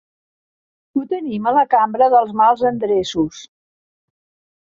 Ho tenim a la cambra dels mals endreços.